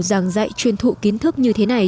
giảng dạy chuyên thụ kiến thức như thế này